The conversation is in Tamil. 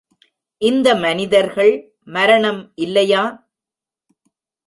இந்த மனிதர்கள், மரணம் இல்லையா!